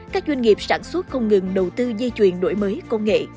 các doanh nghiệp sản xuất không ngừng đầu tư di chuyển đổi mới công nghệ